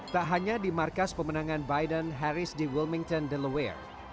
tak hanya di markas pemenangan biden harris di wilmington dellaware